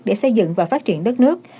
để xây dựng và phát triển đất nước